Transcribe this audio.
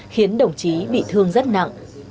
khiến đồng chí bị thương rất nặng